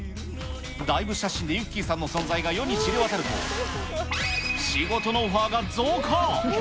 ダイブ写真でゆっｋｅｙさんの存在が世に知れ渡ると、仕事のオファーが増加。